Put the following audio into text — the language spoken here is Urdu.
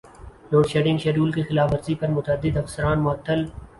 لوڈشیڈنگ شیڈول کی خلاف ورزی پر متعدد افسران معطل